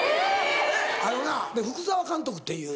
あのな福澤監督っていう。